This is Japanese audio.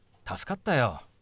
助かったよ。